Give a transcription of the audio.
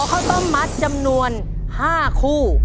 หอเขาต้องมัดจำนวน๕คู่